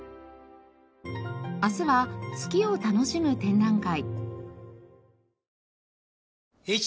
明日は月を楽しむ展覧会。